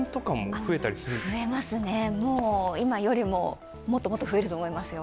増えますね、今よりももっともっと増えると思いますよ。